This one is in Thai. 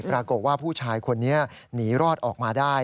ปรากฏว่าผู้ชายคนนี้หนีรอดออกมาได้